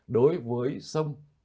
đối với sông